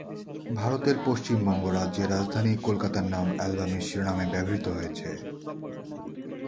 ভারতের পশ্চিমবঙ্গ রাজ্যের রাজধানী কলকাতার নাম অ্যালবামের শিরোনামে ব্যবহৃত হয়েছে।